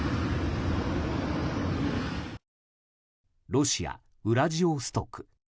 ロシア・ウラジオストク。